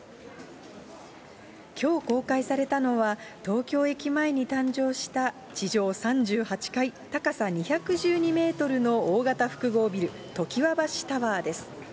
きょう公開されたのは、東京駅前に誕生した、地上３８階、高さ２１２メートルの大型複合ビル、常盤橋タワーです。